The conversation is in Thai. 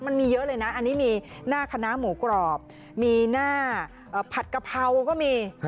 มันมีเยอะเลยนะอันนี้มีหน้าคณะหมูกรอบมีหน้าผัดกะเพราก็มี